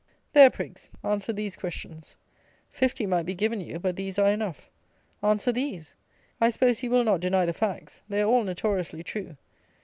There, prigs; answer these questions. Fifty might be given you; but these are enough. Answer these. I suppose you will not deny the facts? They are all notoriously true.